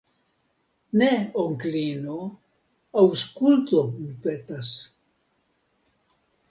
Ne, onklino, aŭskultu, mi petas.